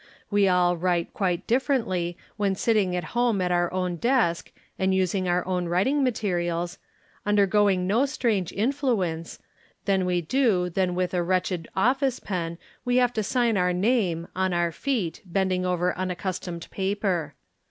We all write quite differently when sitting at home "at our own desk and using our own writing materials, undergoing no Si range influence, than we do when with a wretched office pen we have to sign our name, on our feet, bending over unaccustomed paper.